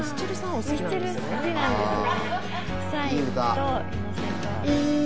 お好きなんですね。